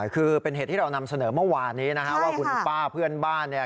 คือเป็นเหตุที่เรานำเสนอเมื่อวานนี้นะฮะว่าคุณป้าเพื่อนบ้านเนี่ย